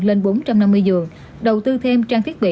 lên bốn trăm năm mươi giường đầu tư thêm trang thiết bị